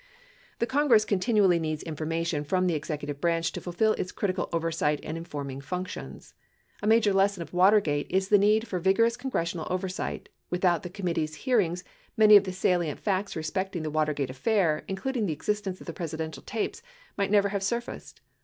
The Congress continually needs information from the executive branch to fulfill its critical oversight and informing functions. A major lesson of Watergate is the need for vigorous congressional oversight— without the committee's hearings many of the salient facts respecting the Watergate affair, including the existence of the Presidential tapes, might never have surfaced.